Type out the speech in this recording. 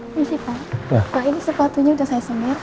ini si pak pak ini sepatunya udah saya sembir